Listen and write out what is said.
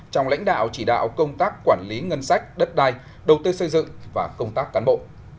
trong lãnh đạo chỉ đạo công tác quản lý ngân sách đất đai đầu tư xây dựng và công tác cán bộ